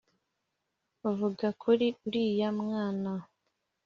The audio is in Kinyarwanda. vuga kuri uriya mwana'